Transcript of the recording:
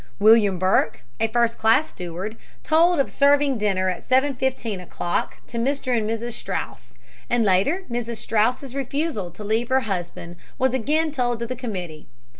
William Burke, a first class steward, told of serving dinner at 7.15 o'clock to Mr. and Mrs. Straus, and later Mrs. Straus' refusal to leave her husband was again told to the committee.